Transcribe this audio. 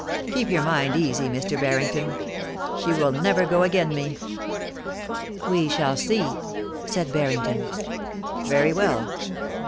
Keep your mind easy, Mr. Harrington ; she will never go agen me.' * We shall see,' said Barrington. * Very well